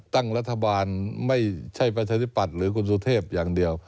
ตั้งรัฐบาลไม่ใช่ประชาธิปัตย์หรือคุณสุเทพอย่างเดียว